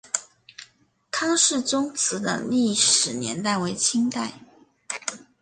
康氏宗祠的历史年代为清代。